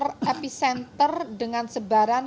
yang kita sampai harus badal